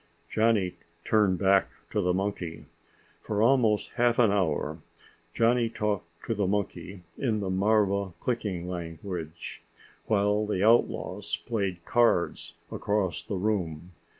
Johnny turned back to the monkey. For almost half an hour Johnny talked to the monkey in the marva clicking language while the outlaws played cards across the room.